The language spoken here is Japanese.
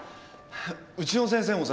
ウチの先生もさ